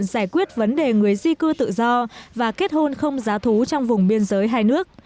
giải quyết vấn đề người di cư tự do và kết hôn không giá thú trong vùng biên giới hai nước